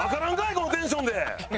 このテンションで！